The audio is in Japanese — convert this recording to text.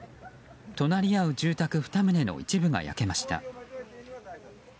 隣り合う住宅２棟の一部が焼けました。